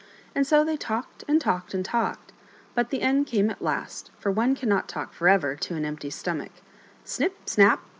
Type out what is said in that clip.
And so they talked and talked and talked, but the end came at last, for one cannot talk forever to an empty stomach. Snip! snap!